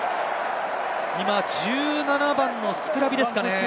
１７番のスクラビですかね。